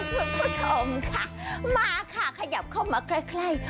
คุณผู้ชมค่ะมาค่ะขยับเข้ามาใกล้